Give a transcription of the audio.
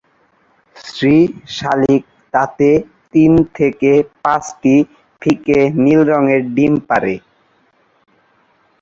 স্ত্রী শালিক তাতে তিন থেকে পাঁচটি ফিকে নীল রঙের ডিম পাড়ে।